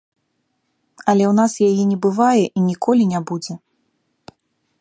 Але ў нас яе не бывае і ніколі не будзе.